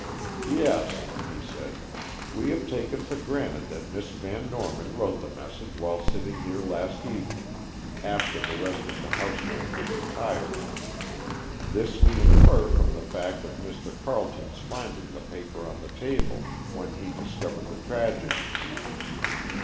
"Yes," he said; "we have taken for granted that Miss Van Norman wrote the message while sitting here last evening, after the rest of the household had retired. This we infer from the fact of Mr. Carleton's finding the paper on the table when he discovered the tragedy."